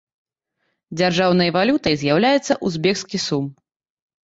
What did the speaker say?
Дзяржаўнай валютай з'яўляецца узбекскі сум.